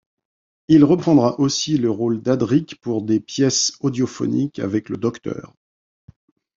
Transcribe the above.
Il reprendra aussi le rôle d'Adric pour des pièces audiophonique avec le Docteur.